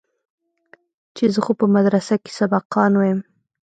چې زه خو په مدرسه کښې سبقان وايم.